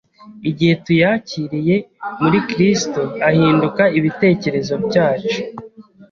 Igihe tuyakiriye muri Kristo ahinduka ibitekerezo cyacu.